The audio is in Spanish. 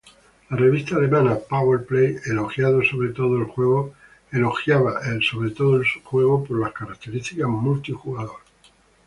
La revista alemana "Power Play" elogiado sobre todo el juego para las características multijugador.